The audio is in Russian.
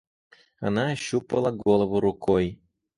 Она ощупала голову рукой.